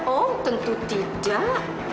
oh tentu tidak